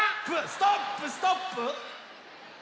ストップストップ！